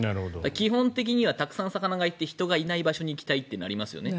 基本的にはたくさん魚がいて人がいないところに行きたいってなりますよね。